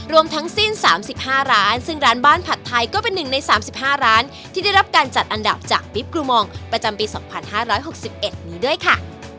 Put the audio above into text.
รวมทั้งสิ้น๓๕ร้านซึ่งร้านบ้านผัดไทยก็เป็นหนึ่งใน๓๕ร้านที่ได้รับการจัดอันดับจากปิ๊บกลูมองประจำปี๒๕๖๑นี้ด้วยค่ะ